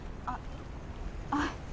あっあっ